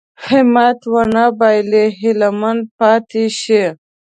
همت ونه بايلي هيله من پاتې شي.